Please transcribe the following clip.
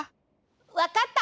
わかった！